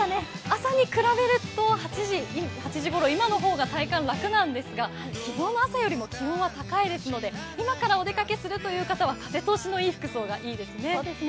朝に比べると８時ごろ、今の方が体感、楽なんですが昨日の朝よりも気温は高いですので今からお出かけするという方は、風通しのいい服装がいいですね。